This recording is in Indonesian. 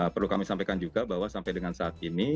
perlu kami sampaikan juga bahwa sampai dengan saat ini